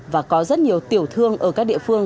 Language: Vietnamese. và có rất nhiều tiểu thương ở các địa phương